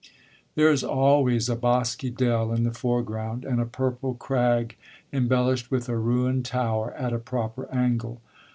There is always a bosky dell in the foreground, and a purple crag embellished with a ruined tower at a proper angle.